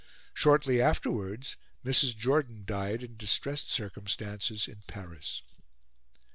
Shortly afterwards Mrs. Jordan died in distressed circumstances in Paris.